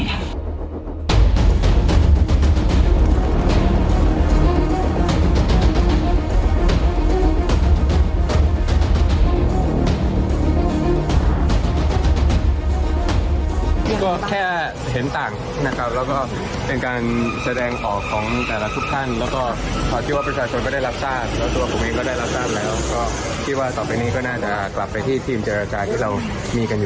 ก็แค่เห็นต่างนะครับแล้วก็เป็นการแสดงของแต่ละทุกขั้น